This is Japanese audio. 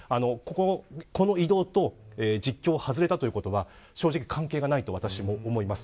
この異動と実況を外れたということは正直関係がないと私は思います。